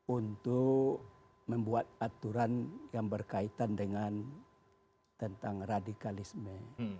untuk membuat aturan yang berkaitan dengan tentang radikalisme